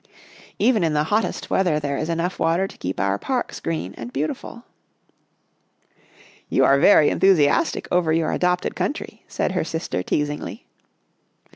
Even in the hottest weather there is enough water to keep our parks green and beautiful." " You are very enthusiastic over your adopted country," said her sister, teasingly.